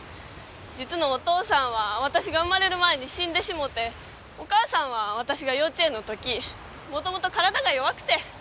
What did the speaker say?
実のお父さんは私が生まれる前に死んでしもうてお母さんは私が幼稚園の時もともと体が弱くて。